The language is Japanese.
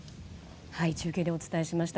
中継でお伝えしました。